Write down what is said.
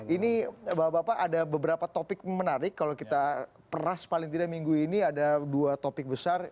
ini bapak bapak ada beberapa topik menarik kalau kita peras paling tidak minggu ini ada dua topik besar